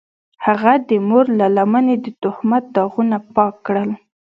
هغه د مور له لمنې د تهمت داغونه پاک کړل.